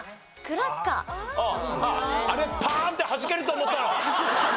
あれパーンってはじけると思ったの？